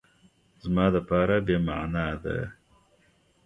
زما دپاره بی معنا ده